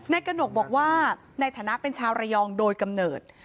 กระหนกบอกว่าในฐานะเป็นชาวระยองโดยกำเนิด